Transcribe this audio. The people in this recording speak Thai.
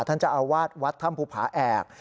ท่านเจ้าอาวาสวัดถ้ำภูผาแอก